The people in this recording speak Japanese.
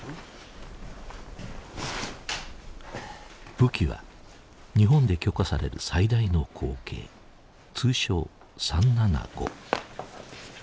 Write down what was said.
武器は日本で許可される最大の口径通称「．３７５」。